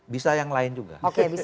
bisa yang lain juga